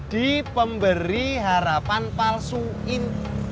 di pemberi harapan palsu in